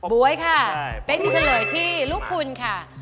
บ๊วยค่ะเป๊กจะเฉลยที่ลูกคุณค่ะ